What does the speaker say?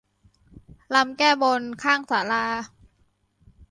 รำแก้บนข้างศาลา